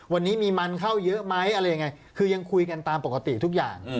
วันนี้มีมันเข้าเยอะไหมอะไรยังไงคือยังคุยกันตามปกติทุกอย่าง